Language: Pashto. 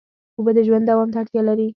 اوبه د ژوند دوام ته اړتیا دي.